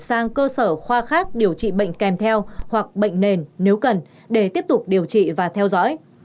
sang cơ sở khoa khác điều trị bệnh kèm theo hoặc bệnh nền nếu cần để tiếp tục điều trị và theo dõi